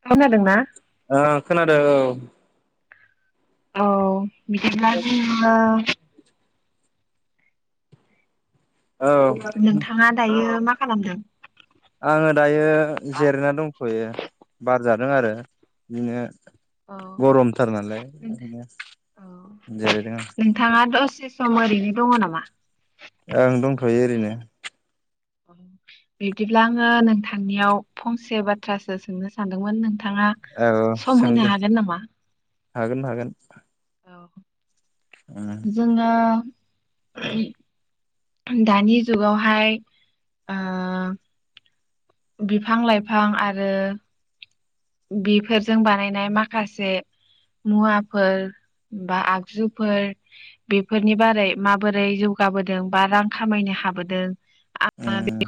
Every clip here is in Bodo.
औ खोनादोंना खोनादों औ औ बिदिब्ला जोङो [unintelligible] औ नोंथाङा दायो मा खालामदों आङो दायो जिरायना दं थयो बार जादों आरो बिदिनो औ गरमथार नालाय बिदिनो नोंथां औ जिरायदों आं नोंथाङा दसे स सम ओरैनो दङ नामा ओं दंथ'यो ओरैनो औ बिब्दिब्ला आङो नोंथांनियाव फंसे बाथ्रासो सोंनो सानदोंमोन नों नोंथाङा औ औ सम सों होनो हागोन नामा ओ औ जोङो दानि जुगावहाय बिफां लाइफां आरो बेफोरजों बानायनाय माखासे मुवाफोर बा आगजुफोर बेफोरनि बारै माबोरै जौगाबोदों बा रां खामायनो हाबोदों आ बे उम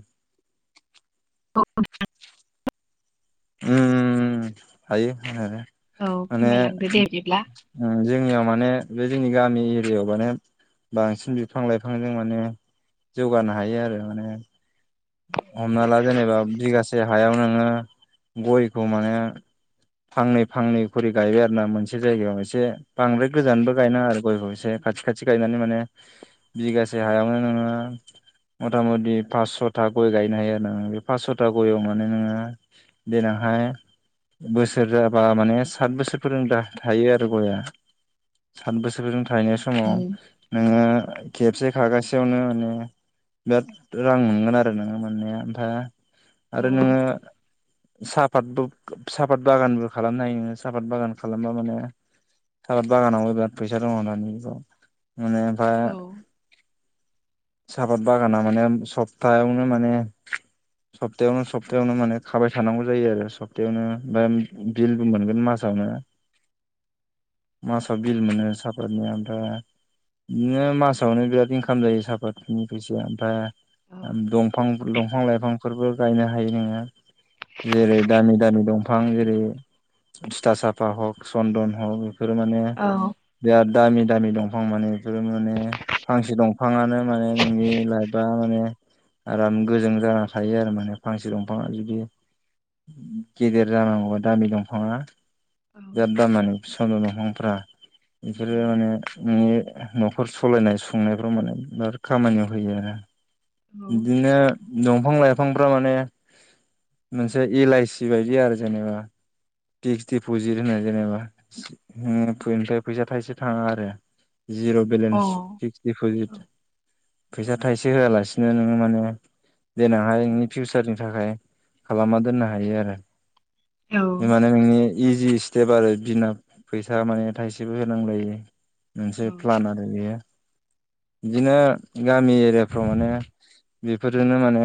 [unintelligible] उम हायो हानायालाय। औ माने फोरमायलांदो दे बिदिब्ला जोंनियाव मा माने बे जोंनि गामि एरियायाव माने बांसिन बिफां लाइफांजों माने जौगानो हायो आरो माने। हमना ला जेनेबा बिगासे हायाव नोङो गयखौ माने फांनै फांनै खरि गायबाय आरोना मोनसे जायगायाव एसे बांद्राय गोजानबो गायनाङा आरो गयखौ एसे खाथि खाथि गायनानै माने बिगासे हायावनो नोङो मथा मथि पास स' था गय गायनो हायो आरोना, बे पास स'था गयआव माने नोङो देनांहाय बोसोर जाबा माने साथ बोसोरफोरजों थायो आरो गया साथ बोसोरजों थायनाय औ समाव नोङो खेबसे खागासेयावनो माने बिराद रां मोनगोन आ रो नोङो मोननाया, ओमफाय औ आरो नोङो सापातबो सापात बागानबो खालामनो हायो नोङो सापात बागान खालामबा माने साफात बागानाव बिराद फैसा दङ दानि जुगाव। माने ओमफाय औ सापात बागाना माने स सप्तायावनो माने सप्तायावनो, सप्तायावनो माने खाबाय थानांगौ जायो आरो सप्तायावनो बा बिलबो मोनगोन मासावनो मासाव बिल मोनो सापातनि ओमफ्राय बिदिनो मासावनो बिराद इनकाम जायो सापातनि फैसाया ओमफ्राय बेफोरबो गायनो हायो नोङो जेरै दामि दामि दंफां जेरै थिथा साफा हक चन्दन हक बेफोर माने औ बिराद दामि दामि दंफां माने बेफोरो माने फांसे दंफाङानो माने नोंनि लाइफआ माने आराम गोजों जाना थायो आरो माने फांसे दंफाङा जुदि गेदेर जानांगौबा दामि दंफाङा औ बिराद‌ दाम माने चन्दन दंफांफ्रा बिसोरो माने नोंनि न'खर सलायनाय, संनायफ्राव माने बिराद खामानियाव होयो आरो। बिदिनो दंफां लाइ फांफ्रा माने मोनसे एल आइ सि बायदि आरो जेनेबा फिक्स दिप'जिट होननाय जेनेबा बेनिफ्राय फैसा थाइसे थाङा आरो। जिर' बेलेन्स फिक्स दिप'जिट। फैसा थाइसे होआलासे बिनो नोङो माने देनांहाय नोंनि फिउसारनि थाखाय खालामना दोननो हायो आरो। औ बे माने नोंनि इजि स्टेप आरो बिना फैसा माने थाइसेबो होनांलायै। मोनसे प्लान आरो बेयो। बिदिनो गामि एरियाफ्राव माने [inaudible] बेफोरजोंनो माने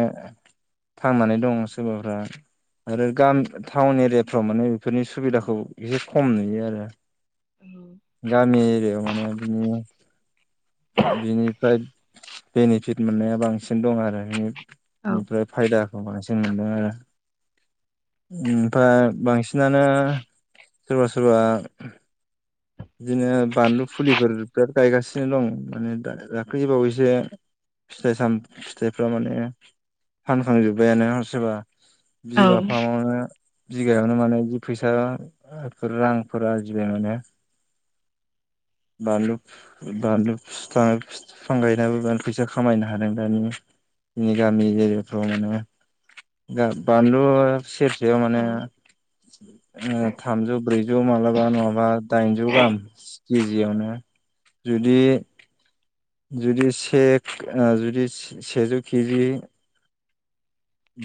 थांनानै दं सोरबाफ्रा आरो गाम टाउन एरियाफ्राव माने बेफोरनि सुबिदाखौ एसे खम नुयो आरो। गामि एरियाआव माने बिनि बिनिफ्राय बेनिफिट मोननाया बां सिन दं आरो बिनि फ्राय फायदा। बांसिन मोनदों आरो ओमफ्राय बांसिनानो सोरबा सोरबा बिदिनो बानलु फुलिफोर बिराद गायगासिनो दं माने दा दाख्लैबावैसो फिथाइ साम फिथाइफ्रा माने फानखांजोब्बायानो ह सोरबा औ बिगाफा मा बिगायावनो माने जि फैसाफोर रांफोर आरजिबाय माने। बानलु बानलु फिथा फिफां गायनाबो बेराद फैसा खामायनो हादों दानि जोंनि गामि एरियाफ्राव माने। दा बानलु सेरसेयाव माने ओ थामजौ, ब्रैजौ माला बा नङाबा दाइनजौ गाहाम केजियावनो। जुदि जुदि सेख ओम जुदि सेजौ केजि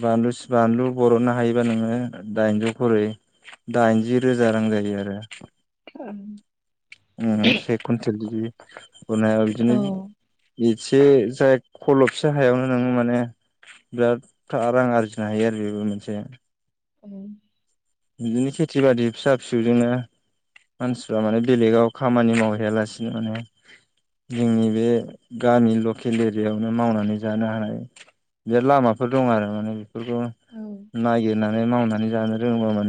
बानलु सि बानलु बरननो हायोबा नोङो दाइनजौ खरै दाइनजि रोजा रां जायो आरो। ओं। उम से खुनथेल बिदि बुनायाव औ बिदिनो एसे जाय खलबसे हायावनो नोङो माने बिराद रां खा आरजिनो हायो आरो बेबो मोनसे। औ। बिदिनो खेथि बादि फिसा फिसौजोंनो मानसिफ्रा माने बेलेगाव खामानि मावहैयालासिनो माने जोंनि बे गामि लकेल एरियायावनो मावनानै जानो हानाय बिराद लामाफोर दं आरो माने बेफोरखौ औ नागिरनानै मावनानै जानो रोङोबा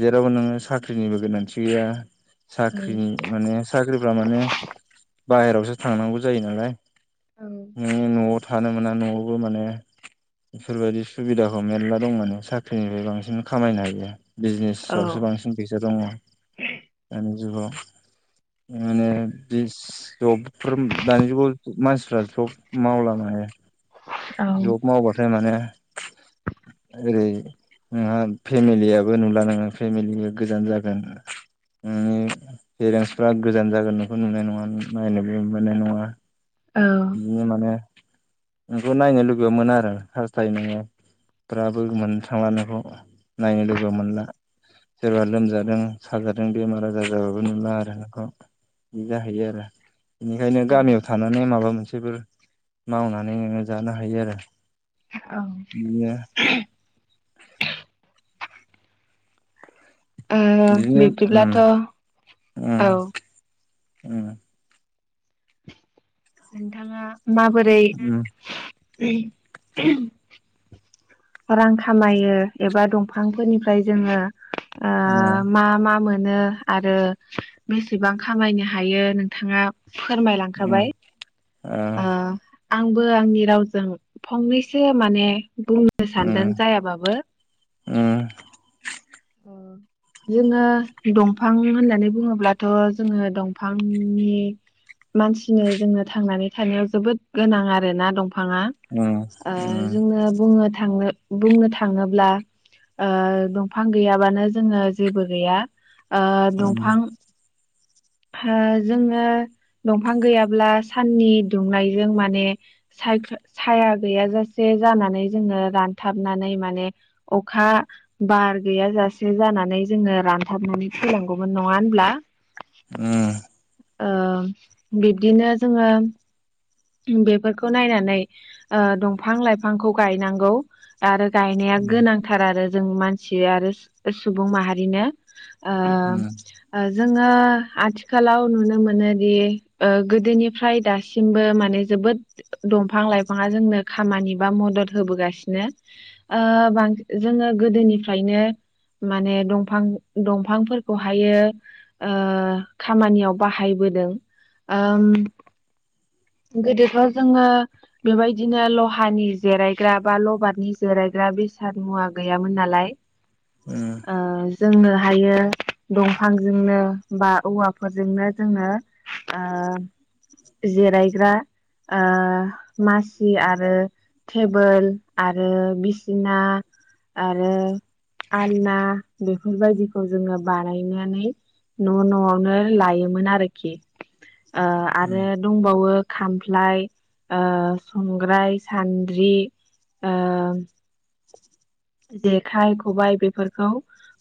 जेरावबो नोङो साख्रिनिबो गोनांथि गैया। औ साख्रिनि माने साख्रिफ्रा माने बाहेरायावसो थांनांगौ जायो नालाय औ नों न'आव थानो मोना न'आवबो माने बेफोरबायदि सुबिदाखौ मेरला दं माने साख्रिनिफ्राय बांसिन खामायनो हायो। [inaudible] औ बिजनेसावसो बांसिन फैसा दङ दानि जुगाव। माने बि जबफोर दानि जुगाव मानसिफ्रा जब मावला माने। औ जब मावबाथाय माने ओरै [inaudible] फेमिलियाबो नुला नोङो फेमिलिबो गोजान जागोन। नोंनि पेरेन्टसफ्रा गोजान जागोन नोंखौ नुनाय नङा नायनोबो मोननाय नङा। औ बियो माने नोंखौ नायनो लुबै मोना आरो हास्थाय नोङो ब्राबो मोननो थांला नोंखौ नायनो लुगैबाबो मोनला सोरबा लोमजादों साजादों बेमार आजार जाबाबो नुला आरो नोंखौ बिदि जाहैयो आरो। बेनिखायनो गामियाव थानानै माबा मोन सेफोर मावनानै नोङो जानो हायो आरो। बिदिनो औ। ओह बिदिनो बिब्दिब्लाथ' उम औ। उम। नोंथाङा माबोरै उम [inaudible] रां खामायो एबा दंफांफोरनिफ्राय जोङो ओह मा मा मोन मोन आरो बेसेबां खामायनो हायो नोंथाङा उम उम ओ फोरमायलांखाबाय। आह। आंबो आंनि रावजों फंनैसो माने बुंनो उम सानदों जायाबाबो उम उम ओ जोङो दंफां होननानै बुङोब्लाथ जोङो दंफांनि मानसिनो जोङो थांनानै थानायाव जोबोद गोनां आरोना दंफां फाङा उम ओ‌ जोङो बुंनो‌ थाङोबा थांनो बुंनो थाङोब्ला ओ बिफां गैयाबानो जोङो जेबो गैया ओ दंफां ओ‌ जोङो दंफां गैयाब्ला साननि दुंनायजों माने साया गैयाजासे जानानै जोङो रानथाबनानै माने अखा बार गैयाजासे जानानै जोङो रानथाबनानै थैलांगौमोन नङा होनब्ला? उम। ओ बिब्दिनो जोङो बेफोरखौ नायनानै ओ‌ दंफां लाइफांखौ गायनांगौ आरो गायनाया गोनांथार आरो जों मानसि आरो सु सुबुं माहारिनो ओम उम ओ जों जोङो आथिखालाव नुनो मोनोदि ओ गोदोनिफ्राय दासिमबो माने बे जोबोद दंफां लाइफाङा जोंनो खामानि बा मदद होबोगासिनो ओ बांसिन जोङो गोदोनिफ्रायनो माने दंफां दंफां‌ फोरखौहायो खामानियाव बाहायबोदों ओम गोदोथ जोङो बेबायदिनो लहानि जिरायग्रा बा लबारनि जिरायग्रा बेसाद मुवा गैयामोन नालाय आज जोंनो हायो दंफांजोंनो बा औवाफोरजोंनो जोंनो ओ जेरै ग्रा ओ मासि आरो थेबोल आरो बिसिना आरो आलना बेफोरबायदिखौ जोङो बानायनानै न' न' आवनो लायोमोन आरोखि ओ‌ आरो दंबावो खामफ्लाय ओ‌ संग्राय सान्द्रि ओ जेखाइ खबाइ बेफोरखौ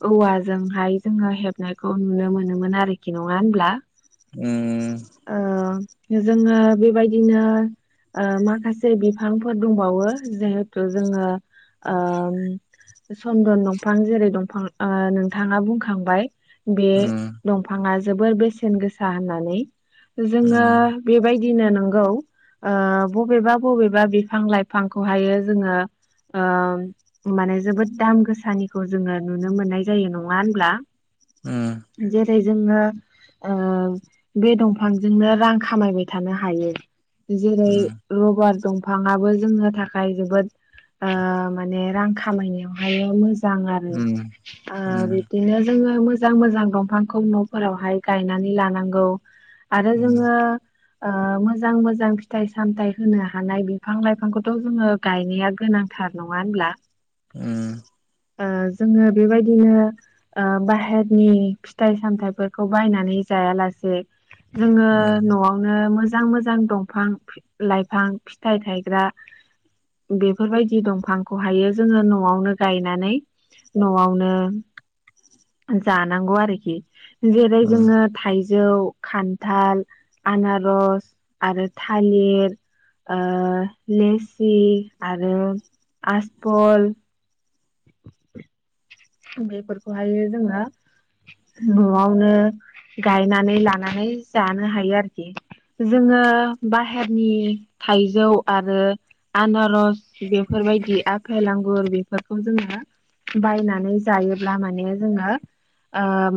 औवाजोंहाय जोङो हेबनायखौ नुनो मोनोमोन आरोखि नङा होनब्ला ओ जोङो बेबायदिनो ओ माखासे बिफांफोर दंबावो जिहेथु जोङो सन्दन दंफां जेरै दंफां ओ‌ नोंथाङा बुंखांबाय बे दंफाङा जोबोर बेसेन गोसा होननानै जोङो बेबायदिनो नंगौ ओ बबेबा बबेबा बिफां लाइफांखौहायो जोङो ओ माने जोबोद दाम गोसानिखौ जोङो नुनो मोननाय जायो नङा होनब्ला। जेरै जोङो ओ बे दंफांजोंनो रां खामायबाय थानो हायो। जेरै रबार दंफाङाबो जोंनो थाखाय जोबोद ओ माने रां खामायनायावहाय मोजां आरो ओ बिबदिनो जोङो मोजां-मोजां दंफांखौ नफोरावहाय गायनानै लानांगौ आरो जोङो ओ मोजां- मोजां फिथाइ सामथाइ होनो हानाय बिफां लाइफांखौथ जोङो गायनाया गोनांथार नङा होनब्ला? उम। ओ जोङो बेबायदिनो ओ बाहेरनि फिथाइ सामथाइफोरखौ बायनानै जायालासे जोङो नआवनो मोजां मोजां मोजां दंफां लाइफां फिथाइ थायग्रा बेफोरबायदि दंफांखौ हायो जोङो नआवनो गायनानै नआवनो जानांगौ आरोखि जेरै जोङो थाइजौ जौ खान्थाल आनारस आरो थालिर ओ लेसि आरो आ बल बेफोरखौहाय जोङो नआवनो गायनानै लानानै जानो हायो आरोखि जोङो बाहेरनि थाइजौ आरो आनारस बेफोरबायदि आफेल आंगुर बेफोरखौ खौ जोङो बायनानै जायोब्ला माने जोङो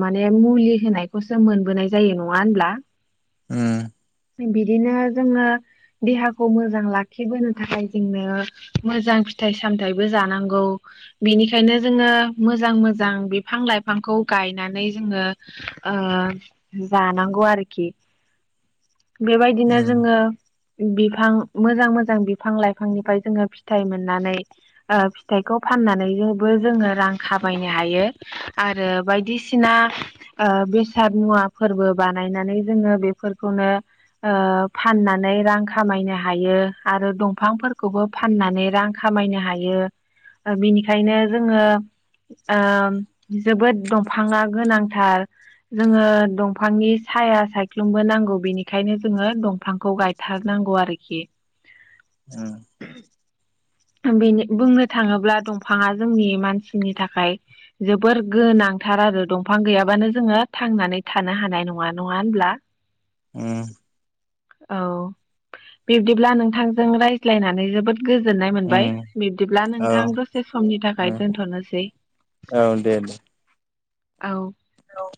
माने मुलि होनायखौसो मोनबोनाय जायो नङा होनब्ला? उम बिदिनो जोङो देहाखौ मोजां लाखिबोनो थाखाय जोंनो मोजां फिथाइ सामथायाइबो जानांगौ। बिनिखायनो जोङो मोजां मोजां बिफां लाइफांखौ गायनानै जोङो ओ जानांगौ आरोखि बेबायदिनो जोङो बिफां मोजां मोजां बिफां-लाइफांनिफ्राय जोङो फिथाइ मोननानै ओ फिथाइ खौ फाननानैबो जोङो रां खामायनो हायो आरो बायदिसिना ओ बेसाद मुवाफोरबो बानायनानै जोङो बेफोरखौनो ओ फाननानै रां खामायनो हायो आरो दंफांफोरखौबो फाननानै रां खामायनो हायो। ओ बिनिखायनो जोङो ओ जोबोद दंफाङा गोनांथार जोङो दंफांनि साया सायख्लुमबो नांगौ बेनिखायनो जोङो दंफांखौ गायथारनांगौ आरोखि बेनि बुंनो थाङोब्ला दंफाङा जोंनि मानसिनि थाखाय जोबोर गोनांथार आरो दंफां गैयाबानो जोङो थांनानै थानो हानाय नङा नङा होनब्ला? उ औ बिब्दिब्ला नोंथांजों रायज्लायनानै जोबोद गोजोन बिब्दिब्ला नोंथां दसे समनि थाखाय दोनथ'नोसै औ औ